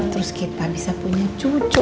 terus kita bisa punya cucu